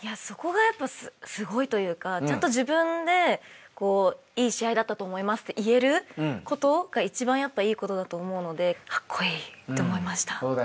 そこがやっぱすごいというかちゃんと自分でいい試合だったと思いますって言えることが一番いいことだと思うのでカッコイイって思いました。